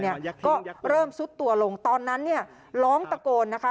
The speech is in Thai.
ก็เริ่มซุดตัวลงตอนนั้นเนี่ยร้องตะโกนนะคะ